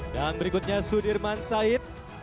dan berikutnya sudirman said